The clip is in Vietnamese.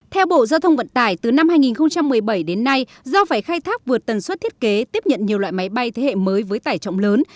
theo bộ giao thông vận tải từ năm hai nghìn một mươi bảy đến nay do phải khai thác vượt tần suất thiết kế tiếp nhận nhiều loại máy bay thế hệ mới với tải trọng lớn